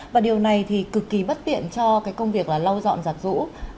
và điều này thì cực kỳ bất tiện cho cái công việc là lau dọn giặt rũ